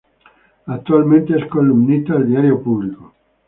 Actualmente es columnista del diario "Público".